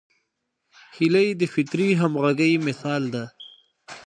هیلۍ د فطري همغږۍ مثال ده